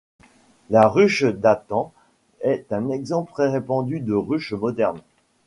La ruche Dadant est un exemple très répandu de ruches modernes.